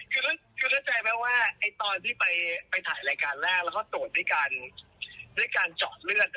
คือเข้าใจไหมว่าตอนที่ไปถ่ายรายการแรกแล้วก็ตรวจด้วยการเจาะเลือด